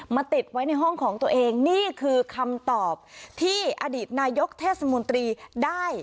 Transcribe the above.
ติดไว้ในห้องของตัวเองนี่คือคำตอบที่อดีตนายกเทศมนตรีได้